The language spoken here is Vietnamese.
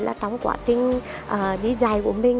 có lẽ là trong quá trình đi dài của mình